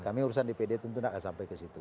kami urusan dpd tentu tidak akan sampai kesitu